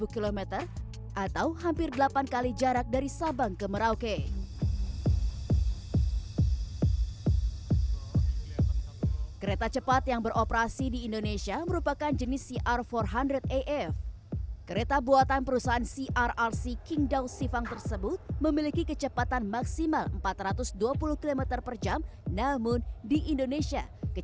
sembilan ribu tujuh ratus lima puluh kilowatt dual lightning arrester dipasang di setiap rangkaian kereta untuk keamanan terhadap